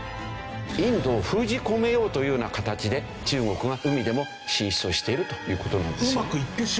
インドを封じ込めようというような形で中国が海でも進出をしているという事なんですよ。